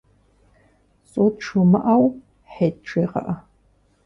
Цӏут жымыӏэу, Хьет жегъыӏэ!